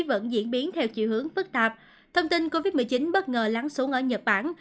vẫn diễn biến theo chiều hướng phức tạp thông tin covid một mươi chín bất ngờ lắng xuống ở nhật bản